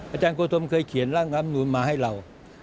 อาจารย์โคธมเคยเขียนร่างรัฐมนุนมาให้เรา